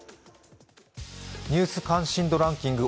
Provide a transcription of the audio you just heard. ニュース関心度ランキング